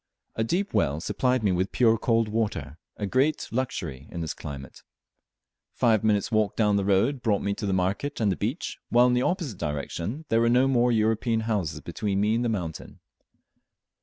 A deep well supplied me with pure cold water, a great luxury in this climate. Five minutes' walk down the road brought me to the market and the beach, while in the opposite direction there were no more European houses between me and the mountain.